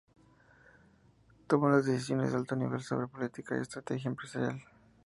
Toma las decisiones de alto nivel sobre política y estrategia empresarial.